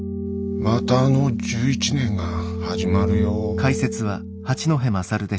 またあの１１年が始まるよ。